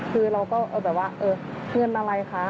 คือเราก็แบบว่าเออเงินอะไรคะ